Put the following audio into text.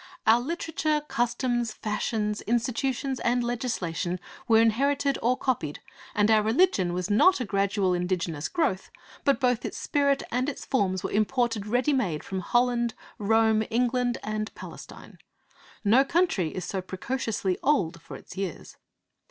'Our literature, customs, fashions, institutions, and legislation were inherited or copied, and our religion was not a gradual indigenous growth, but both its spirit and its forms were imported ready made from Holland, Rome, England, and Palestine. No country is so precociously old for its years.'